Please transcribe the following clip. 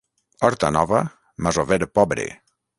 Horta nova, masover pobre.